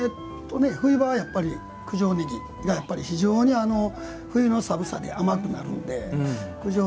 冬場は九条ねぎがやっぱり非常に冬の寒さに甘くなるので九条